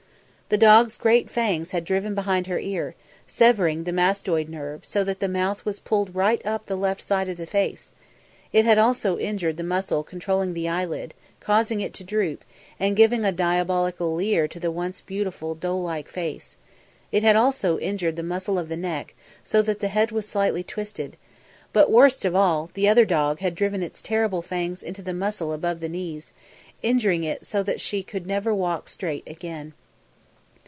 The dog's great fangs had driven behind the ear, severing the mastoid nerve so that the mouth was pulled right up the left side of the face; it had also injured the muscle controlling the eyelid, causing it to droop and giving a diabolical leer to the once beautiful doe like eye; it had also injured the muscle of the neck so that the head was slightly twisted; but, worst of all, the other dog had driven its terrible fangs into the muscle above the knees, injuring it so that she would never walk straight again.